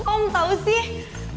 om tau sih